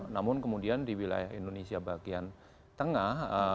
namun kemudian di wilayah indonesia bagian tengah